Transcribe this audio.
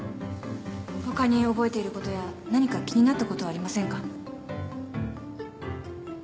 他に覚えていることや何か気になったことはありませんか。